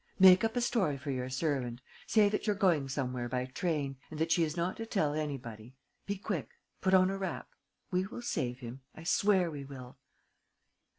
Make up a story for your servant: say that you're going somewhere by train and that she is not to tell anybody. Be quick. Put on a wrap. We will save him, I swear we will."